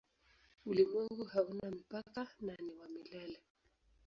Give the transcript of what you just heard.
Ulimwengu hauna mipaka na ni wa milele.